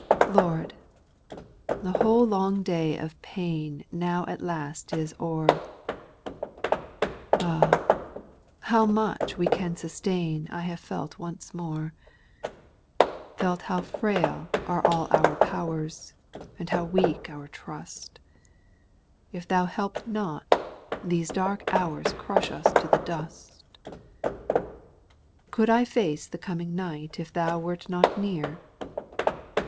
1. T ORD, a whole long day of pain IJ Now at last is o'er 1 Ah I how much we can sustain I have felt once more ; Felt how frail are all our powers, And how weak our trust ; If Thou help not, these dark hours Crush us to the dust. 2. Could I face the coming night, If Thou wert not near